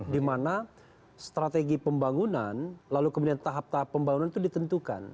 dimana strategi pembangunan lalu kemudian tahap tahap pembangunan itu ditentukan